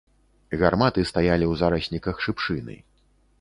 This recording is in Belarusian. Гарматы стаялі ў зарасніках шыпшыны.